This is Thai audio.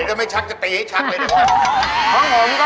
ไม่ได้ไม่ชักจะตีชักเลยเดี๋ยวว่ะ